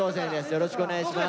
よろしくお願いします。